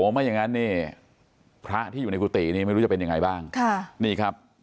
ไม่อย่างนั้นเนี่ยพระที่อยู่ในกุฏินี่ไม่รู้จะเป็นยังไงบ้างค่ะนี่ครับ